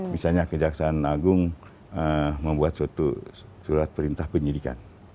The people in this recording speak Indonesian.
misalnya kejaksaan agung membuat suatu surat perintah penyidikan